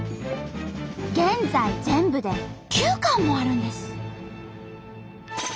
現在全部で９館もあるんです。